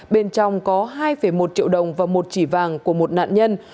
bên trong có hai một triệu đồng và một chỉ vàng của một nạn nhân